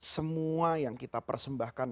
semua yang kita persembahkan